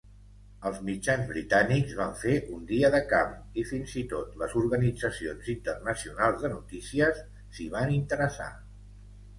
Els mitjans britànics van fer un dia de camp i fins i tot les organitzacions internacionals de notícies s'hi van interessar.